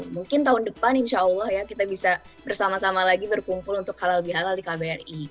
mungkin tahun depan insya allah ya kita bisa bersama sama lagi berkumpul untuk halal bihalal di kbri